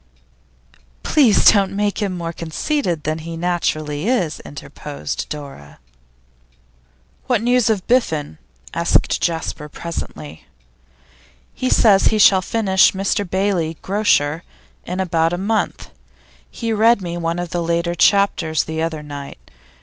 'Please don't make him more conceited than he naturally is,' interposed Dora. 'What news of Biffen?' asked Jasper, presently. 'He says he shall finish "Mr Bailey, Grocer," in about a month. He read me one of the later chapters the other night.